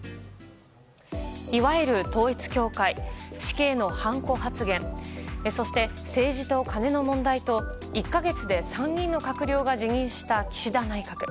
いわゆる統一教会死刑のはんこ発言そして政治とカネの問題と１か月で３人の閣僚が辞任した岸田内閣。